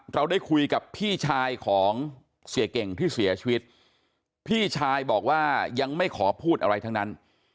เราได้คุยกับพี่ชายของเสียเก่งที่เสียชีวิตพี่ชายบอกว่ายังไม่ขอพูดอะไรทั้งนั้น